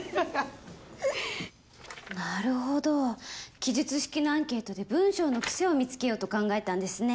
なるほど記述式のアンケートで文章の癖を見つけようと考えたんですね